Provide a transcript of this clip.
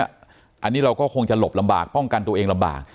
อันนี้เราก็คงจะหลบลำบากป้องกันตัวเองลำบาก